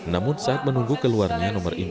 namun saat menunggu keluarnya nomor ini